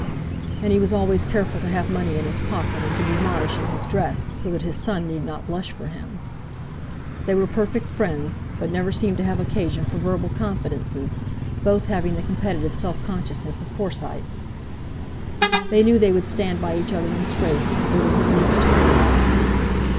And he was always careful to have money in his pocket, and to be modish in his dress, so that his son need not blush for him. They were perfect friends, but never seemed to have occasion for verbal confidences, both having the competitive self consciousness of Forsytes. They knew they would stand by each other in scrapes, but there was no need to talk about it.